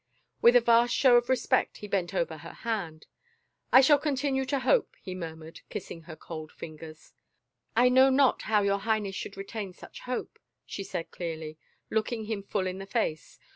With a vast show of respect he bent over her hand. " I shall continue to hope," he murmured, kissing her cold fingers. " I know not how your Highness should retain such hope," she said clearly, looking him full in the face.